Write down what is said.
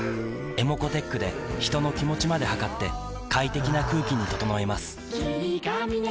ｅｍｏｃｏーｔｅｃｈで人の気持ちまで測って快適な空気に整えます